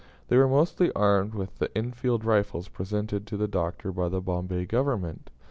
They were mostly armed with the Enfield rifles presented to the Doctor by the Bombay Government.